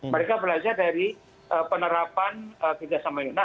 mereka belajar dari penerapan kita sama indonesia